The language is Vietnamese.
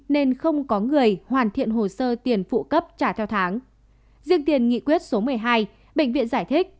nên không có người hoàn thiện hồ sơ tiền phụ cấp trả theo tháng riêng tiền nghị quyết số một mươi hai bệnh viện giải thích